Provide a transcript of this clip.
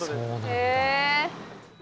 へえ。